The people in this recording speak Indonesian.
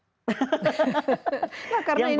yang pasti friends list kita ya